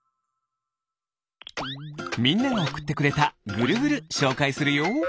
みんながおくってくれたぐるぐるしょうかいするよ。